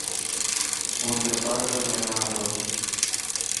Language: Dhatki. هون ٿرپارڪر ۾ رهان ٿو.